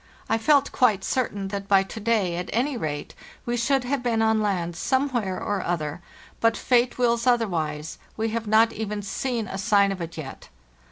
I felt quite certain that by to day, at any rate, we should have been on land somewhere or other, but fate wills otherwise; we have not even seen a sign of it yet.